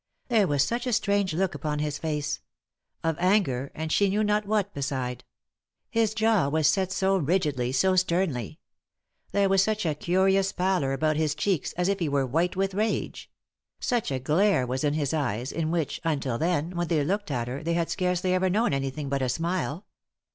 There was such a strange look upon bis face ; of anger, and she knew not what beside ; his jaw was set so rigidly, so sternly ; there was such a curious pallor about his cheeks, as if he were white with rage ; such a glare was in his eyes, in which, until then, when they looked at her, they had scarcely ever known any thing but a smile.